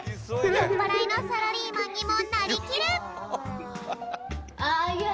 よっぱらいのサラリーマンにもなりきる！